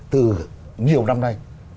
từ nhiều năm nay